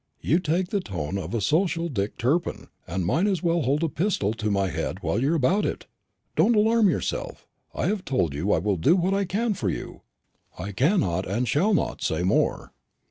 You take the tone of a social Dick Turpin, and might as well hold a pistol to my head while you're about it. Don't alarm yourself. I have told you I will do what I can for you. I cannot, and I shall not, say more."